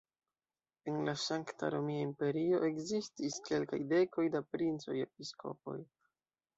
En la Sankta Romia Imperio ekzistis kelkaj dekoj da princoj-episkopoj.